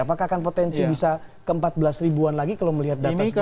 apakah akan potensi bisa ke empat belas ribuan lagi kalau melihat data seperti itu